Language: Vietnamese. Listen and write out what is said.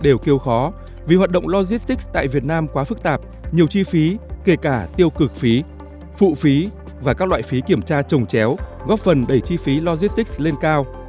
đều kêu khó vì hoạt động logistics tại việt nam quá phức tạp nhiều chi phí kể cả tiêu cực phí phụ phí và các loại phí kiểm tra trồng chéo góp phần đẩy chi phí logistics lên cao